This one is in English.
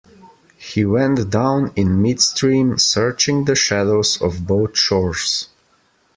He went down in midstream, searching the shadows of both shores.